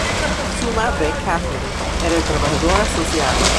Su madre, Kathleen, era trabajadora social.